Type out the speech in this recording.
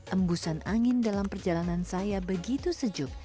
embusan angin dalam perjalanan saya begitu sejuk